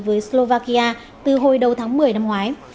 với slovakia từ hồi đầu tháng một mươi năm ngoái